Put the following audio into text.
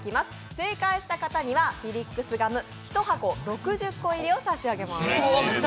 正解した方にはフィリックスガム１箱６０個入りを差し上げます。